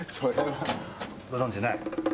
ご存知ない。